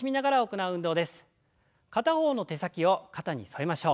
片方の手先を肩に添えましょう。